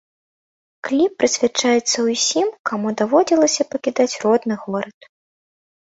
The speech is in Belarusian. Кліп прысвячаецца ўсім, каму даводзілася пакідаць родны горад.